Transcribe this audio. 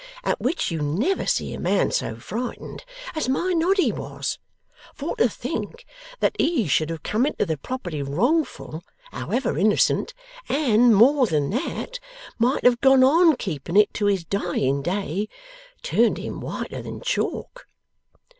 At which you never see a man so frightened as my Noddy was. For to think that he should have come into the property wrongful, however innocent, and more than that might have gone on keeping it to his dying day, turned him whiter than chalk.